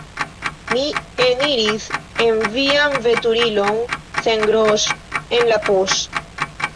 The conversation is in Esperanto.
Mi eniris en vian veturilon sen groŝ' en la poŝ'